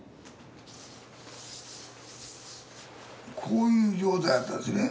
こういう状態だったんですね